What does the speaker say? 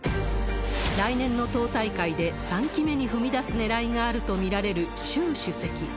来年の党大会で３期目に踏み出すねらいがあると見られる習主席。